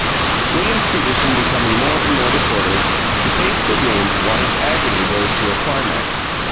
William's condition becoming more and more disordered, he paced the room, while his agony rose to a climax.